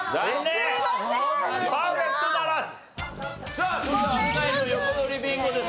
さあそれでは阿部ナインの横取りビンゴです。